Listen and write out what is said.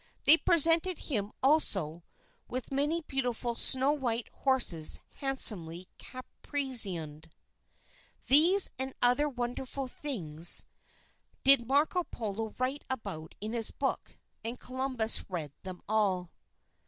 They presented him, also, with many beautiful snow white horses handsomely caparisoned. These and other wonderful things, did Marco Polo write about in his book, and Columbus read them all.